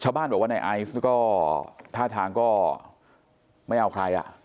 ชาวบ้านบอกว่าในไอซ์ก็ท่าทางก็ไม่เอาใครอ่ะ